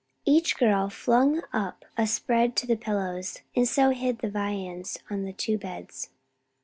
Each girl flung up a spread to the pillows, and so hid the viands on the two beds.